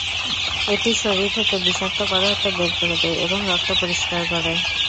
এটি শরীর থেকে বিষাক্ত পদার্থ বের করে দেয় এবং রক্ত পরিষ্কার করে।